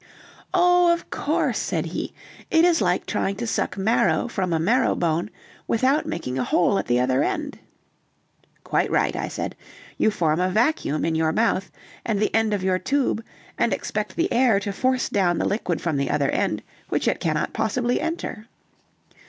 "Oh, of course," said he, "it is like trying to suck marrow from a marrow bone, without making a hole at the other end." "Quite right," I said, "you form a vacuum in your mouth and the end of your tube, and expect the air to force down the liquid from the other end which it cannot possibly enter."